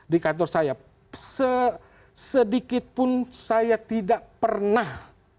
di kantor saya sedikitpun saya tidak pernah